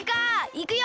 いくよ！